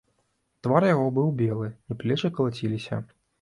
Твар яго быў белы, і плечы калаціліся.